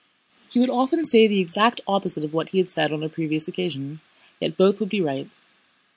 He would often say the exact opposite of what he had said on a previous occasion, yet both would be right.